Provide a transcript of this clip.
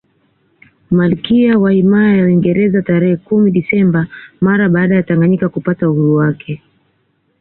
Malkia wa himaya ya Uingereza tarehe kumi Desemba mara baada Tanganyika kupata uhuru wake